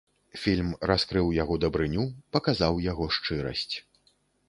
Фільм раскрыў яго дабрыню, паказаў яго шчырасць.